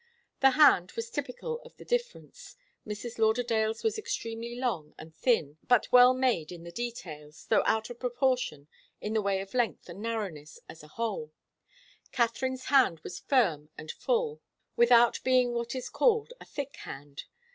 The hand was typical of the difference. Mrs. Lauderdale's was extremely long and thin, but well made in the details, though out of proportion in the way of length and narrowness as a whole. Katharine's hand was firm and full, without being what is called a thick hand.